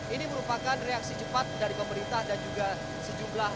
ini merupakan reaksi cepat dari pemerintah dan juga sejumlah